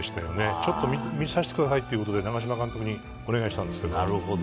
ちょっと見させてくださいということで長嶋監督にお願いしたんですけど。